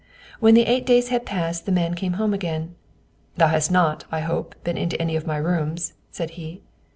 When the eight days had passed the man came home again. "Thou hast not, I hope, been into any of my rooms," said he.